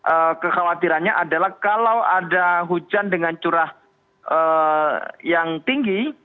nah kekhawatirannya adalah kalau ada hujan dengan curah yang tinggi